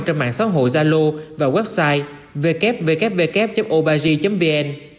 trên mạng xã hội zalo và website www oberg vn